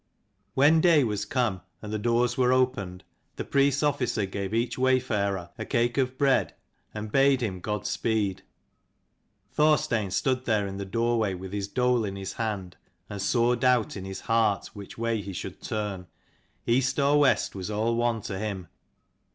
When day was come, and the doors were opened, the priests' officer gave each wayfarer a cake of bread and bade him God speed. Thorstein stood there in the doorway with his dole in his hand, and sore doubt in his heart which way he should turn. East or West was all one to him.